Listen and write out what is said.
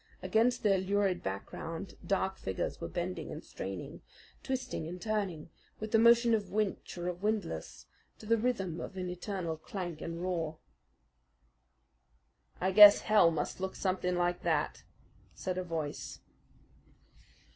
Against their lurid background dark figures were bending and straining, twisting and turning, with the motion of winch or of windlass, to the rhythm of an eternal clank and roar. "I guess hell must look something like that," said a voice.